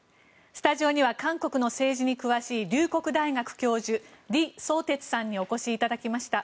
スタジオには韓国の政治に詳しい龍谷大学教授、李相哲さんにお越しいただきました。